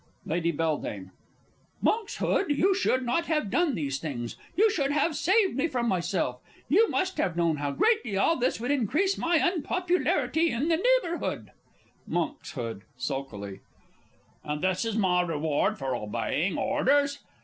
Lady B. Monkshood, you should not have done these things you should have saved me from myself. You must have known how greatly all this would increase my unpopularity in the neighbourhood. Monks. (sulkily). And this is my reward for obeying orders!